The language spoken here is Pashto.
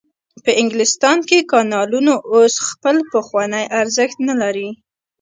په انګلستان کې کانالونو اوس خپل پخوانی ارزښت نلري.